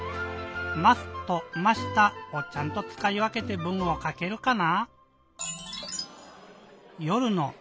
「ます」と「ました」をちゃんとつかいわけて文をかけるかな？